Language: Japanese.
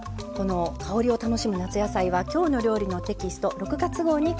香りを楽しむ夏野菜は「きょうの料理」のテキスト６月号に掲載されています。